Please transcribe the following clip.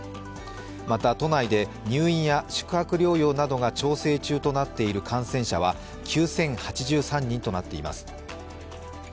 また、都内で入院や宿泊療養などが調整中となっている感染者は９０８３人となっています。